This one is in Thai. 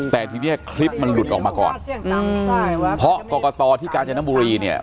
แต่ทีนี้คลิปมันหลุดออกมาก่อนเพราะกรกตที่กาญจนบุรีเนี่ย